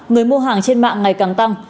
người mua hàng trên mạng ngày càng tăng